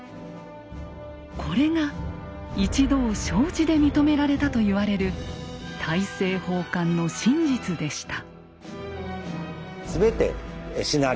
これが一同承知で認められたと言われる大政奉還の真実でした。